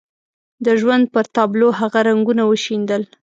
د ژوند پر تابلو هغه رنګونه وشيندل.